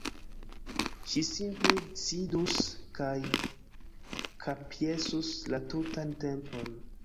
Ŝi simple sidus kaj kapjesus la tutan tempon.